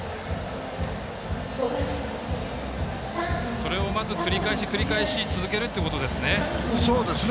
それを繰り返し繰り返し続けるということですね。